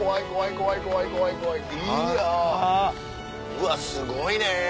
うわすごいね